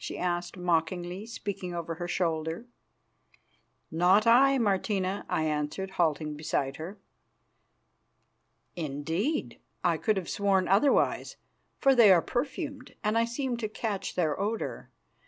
she asked mockingly, speaking over her shoulder. "Not I, Martina," I answered, halting beside her. "Indeed. I could have sworn otherwise, for they are perfumed, and I seemed to catch their odour.